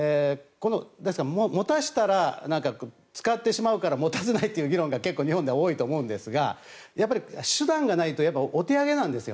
持たしたら、使ってしまうから持たせないという議論が結構日本では多いと思うんですがやっぱり手段がないとお手上げなんです。